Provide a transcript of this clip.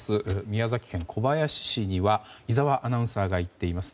宮崎県小林市には井澤アナウンサーがいます。